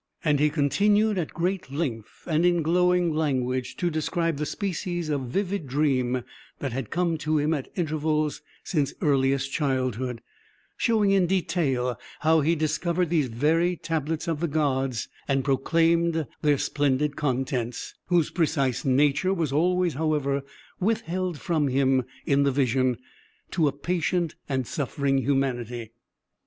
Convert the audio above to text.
And he continued at great length and in glowing language to describe the species of vivid dream that had come to him at intervals since earliest childhood, showing in detail how he discovered these very Tablets of the Gods, and proclaimed their splendid contents whose precise nature was always, however, withheld from him in the vision to a patient and suffering humanity.